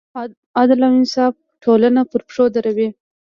عدل او انصاف ټولنه پر پښو دروي.